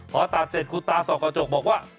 พอตัดเสร็จคุณตาส่องกระจกบอกว่า